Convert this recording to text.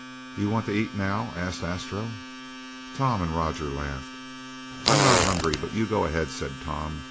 "You want to eat now?" asked Astro. Tom and Roger laughed. "I'm not hungry, but you go ahead," said Tom.